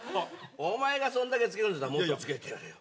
お前がそんだけ付けるんだったらもっと付けてやるよ。